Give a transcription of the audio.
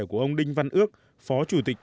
của ông đinh văn ước phó chủ tịch